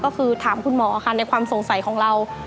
ก็คือถามคุณหมอค่ะในความสงสัยของเรา